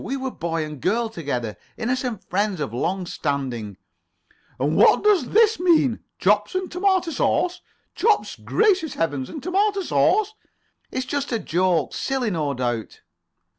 We were boy and girl together. Innocent friends of long standing." "And what does this mean? Chops and tomato sauce? Chops! Gracious Heavens! And tomato sauce." "It's just a joke. Silly, no doubt."